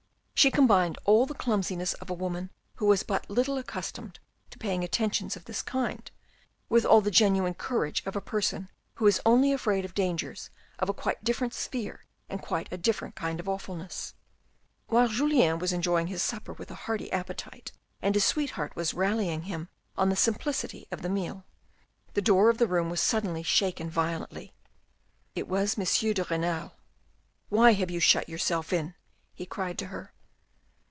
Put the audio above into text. She combined all the clumsiness of a woman who was but little accustomed to paying attentions of this kind, with all the genuine courage of a person who is only afraid of dangers of quite a different sphere and quite a different kind of awfulness. While Julien was enjoying his supper with a hearty appetite and his sweetheart was rallying him on the simplicity of the meal, the door of the room was suddenly shaken violently. It was M. de Renal. " Why have you shut yourself in ?" he cried to her.